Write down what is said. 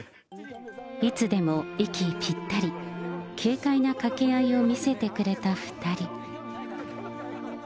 いつでも息ぴったり、軽快な掛け合いを見せてくれた２人。